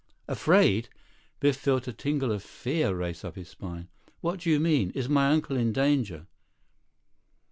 "Afraid?" Biff felt a tingle of fear race up his spine. "What do you mean? Is my uncle in danger?"